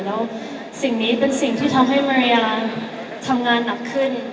แล้วสิ่งนี้เป็นสิ่งที่ทำให้มารยาทำงานหนักขึ้น